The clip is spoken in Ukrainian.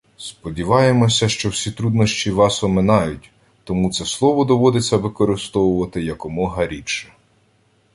Сподіваємося, що всі труднощі вас оминають, тому це слово доводиться використовувати якомога рідше.